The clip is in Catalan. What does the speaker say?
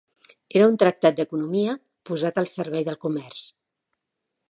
Era un tractat d'economia posat al servei del comerç